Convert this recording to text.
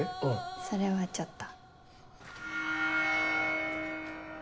それはちょっと。